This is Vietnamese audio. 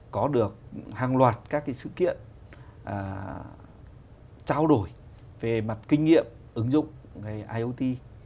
có được hàng loạt các cái sự kiện trao đổi về mặt kinh nghiệm ứng dụng iot